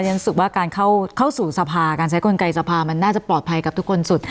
ฉันรู้สึกว่าการเข้าสู่สภาการใช้กลไกสภามันน่าจะปลอดภัยกับทุกคนสุด